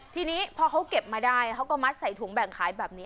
ทีนี้พอเขาเก็บมาได้เขาก็มัดใส่ถุงแบ่งขายแบบนี้